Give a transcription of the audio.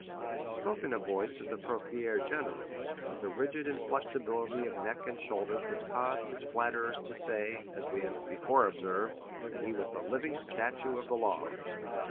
He spoke in a voice of the procureur general, with the rigid inflexibility of neck and shoulders which caused his flatterers to say (as we have before observed) that he was the living statue of the law.